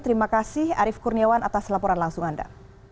terima kasih arief kurniawan atas laporan langsung anda